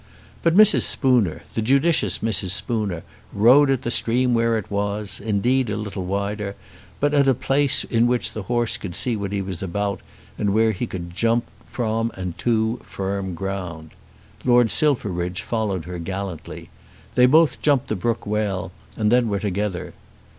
But Mrs. Spooner, the judicious Mrs. Spooner, rode at the stream where it was, indeed, a little wider, but at a place in which the horse could see what he was about, and where he could jump from and to firm ground. Lord Silverbridge followed her gallantly. They both jumped the brook well, and then were together.